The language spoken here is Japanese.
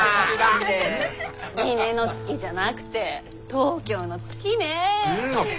峰乃月じゃなくて東京の月ねえ。